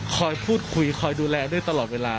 คอยพูดคุยคอยดูแลด้วยตลอดเวลา